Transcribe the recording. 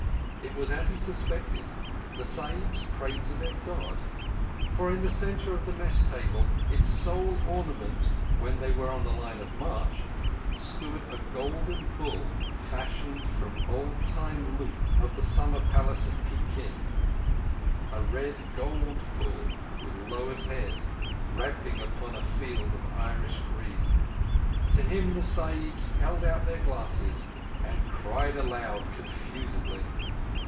It was as he suspected. The Sahibs prayed to their God; for in the centre of the Mess table—its sole ornament when they were on the line of march—stood a golden bull fashioned from old time loot of the Summer Palace at Pekin—a red gold bull with lowered head, ramping upon a field of Irish green. To him the Sahibs held out their glasses and cried aloud confusedly.